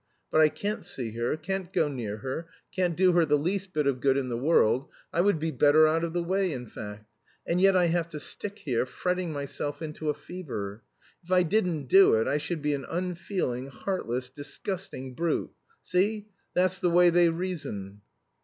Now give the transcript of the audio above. But I can't see her, can't go near her, can't do her the least bit of good in the world I would be better out of the way, in fact and yet I have to stick here, fretting myself into a fever. If I didn't do it I should be an unfeeling, heartless, disgusting brute. See? That's the way they reason."